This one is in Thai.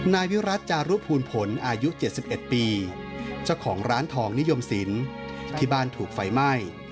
นายวิรัติจารุภูลผลอายุ๗๑ปีเจ้าของร้านทองนิยมศิลป์ที่บ้านถูกไฟไหม้